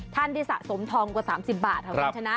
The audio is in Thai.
ท่านที่สะสมทองกว่า๓๐บาทค่ะคุณชนะ